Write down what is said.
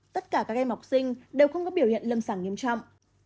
tất cả các em học sinh đều không có biểu hiện lâm sàng nghiêm trọng